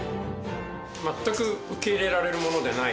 全く受け入れられるものでない。